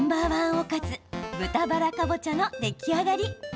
おかず豚バラかぼちゃの出来上がり。